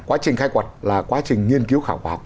quá trình khai quật là quá trình nghiên cứu khảo cổ học